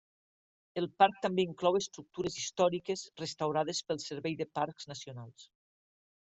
El parc també inclou estructures històriques restaurades pel Servei de Parcs Nacionals.